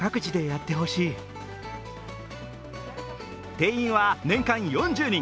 定員は年間４０人。